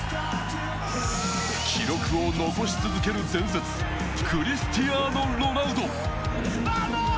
記録を残し続ける伝説、クリスティアーノ・ロナウド。